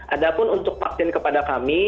ada pun untuk vaksin kepada kami